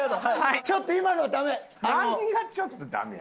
ちょっと今のはダメ！